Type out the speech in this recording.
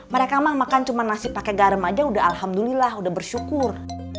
mereka mah makan cuma nasi pakai garam aja udah alhamdulillah udah bersyukur